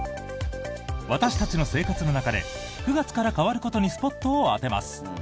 私たちの生活の中で９月から変わることにスポットを当てます！